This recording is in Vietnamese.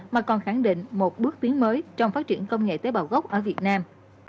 mà còn khẳng định một bước tiến mới trong phát triển công nghệ tế bào gốc ở việt nam